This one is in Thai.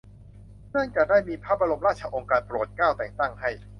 เนื่องจากได้มีพระบรมราชโองการโปรดเกล้า แต่งตั้งให้